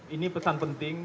ini pesan penting